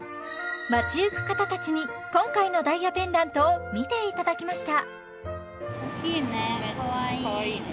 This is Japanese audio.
街行く方達に今回のダイヤペンダントを見ていただきました